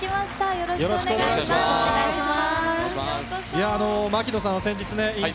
よろしくお願いします。